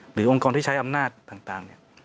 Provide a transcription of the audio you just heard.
องค์กรที่ใช้อำนาจต่าง